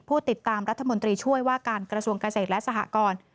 ผู้ติดตามรัฐมนตรีช่วยว่าการกระทรวงเกษตรและสหกร